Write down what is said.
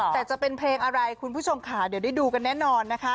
แต่จะเป็นเพลงอะไรคุณผู้ชมค่ะเดี๋ยวได้ดูกันแน่นอนนะคะ